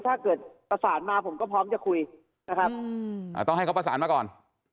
ถ้าเกิดประสานมาผมก็พร้อมจะคุยนะครับต้องให้เขาประสานมาก่อน